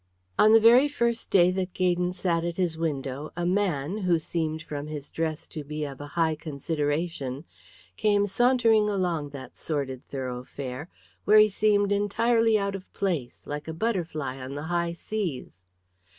On the very first day that Gaydon sat at his window a man, who seemed from his dress to be of a high consideration, came sauntering along that sordid thoroughfare, where he seemed entirely out of place, like a butterfly on the high seas.